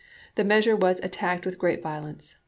The measure was at tacked with great violence.